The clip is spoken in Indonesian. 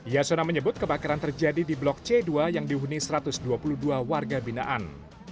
yasona menyebut kebakaran terjadi di blok c dua yang dihuni satu ratus dua puluh dua warga binaan